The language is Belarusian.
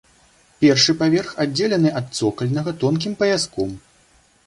Першы паверх аддзелены ад цокальнага тонкім паяском.